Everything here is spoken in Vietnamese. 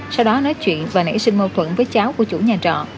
sau đó nói chuyện và nảy sinh mâu thuẫn với cháu của chủ nhà trọ